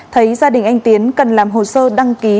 thấy gia đình anh tiến cần làm hồ sơ đăng ký